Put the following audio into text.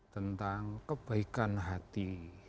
tentang kebaikan hati